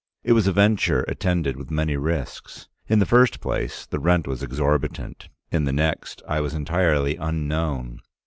It was a venture attended with many risks. In the first place the rent was exorbitant, in the next I was entirely unknown.